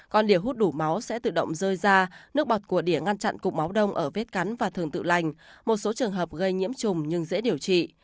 còn để hút đủ máu sẽ tự động rơi ra nước bọt của đỉa ngăn chặn cục máu đông ở vết cắn và thường tự lành một số trường hợp gây nhiễm trùng nhưng dễ điều trị